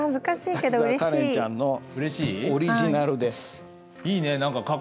滝沢カレンちゃんのオリジナルです。